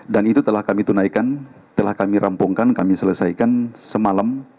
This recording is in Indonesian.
dan itu telah kami tunaikan telah kami rampungkan kami selesaikan semalam